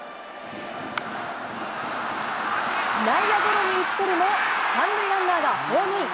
内野ゴロに打ち取るも、３塁ランナーがホームイン。